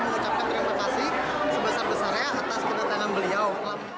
mengucapkan terima kasih sebesar besarnya atas kedatangan beliau